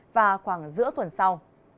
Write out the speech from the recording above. và khoảng giữa tuần sau